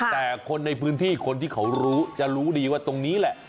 แต่คนในพื้นที่คนที่เขารู้จะรู้ดีว่าตรงนี้แหละ